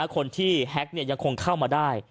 คนที่แฮ็กยังคงเข้ามาได้